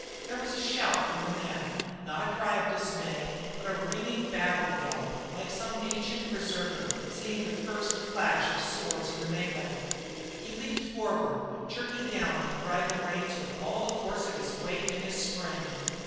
There was a shout from the man, not a cry of dismay, but a ringing battle yell like some ancient berserker seeing the first flash of swords in the mêlée. He leaped forward, jerking down on the bridle reins with all the force of his weight and his spring.